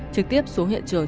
trực tiếp xuống hiện trường